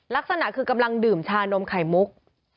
ลักษณะคือกำลังดื่มชานมไข่มุก